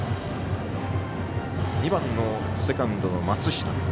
２番のセカンドの松下。